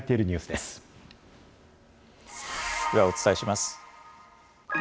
では、お伝えします。